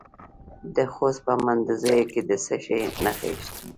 د خوست په مندوزیو کې د څه شي نښې دي؟